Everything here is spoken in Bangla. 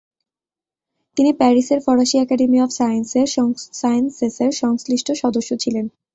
তিনি প্যারিসের ফরাসি একাডেমি অফ সায়েন্সেসের সংশ্লিষ্ট সদস্য ছিলেন।